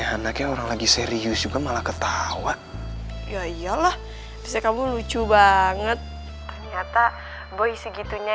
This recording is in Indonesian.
hai ya andalnya orang lagi serius juga malah ketawa yaiyalah gue kamu lucu banget bayi segitunya